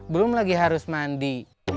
belum lagi harus mandi